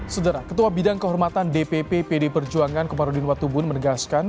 sedera ketua bidang kehormatan dpp pd perjuangan komarudin watubun menegaskan